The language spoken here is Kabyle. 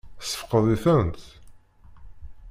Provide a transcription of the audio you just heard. Tessefqed-itent?